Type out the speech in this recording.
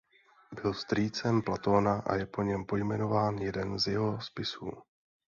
Byl strýcem Platóna a je po něm pojmenován jeden z jeho spisů.